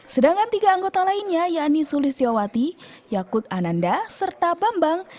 sedangkan tiga anggota lainnya yakni sulistiawati yakut ananda serta bambang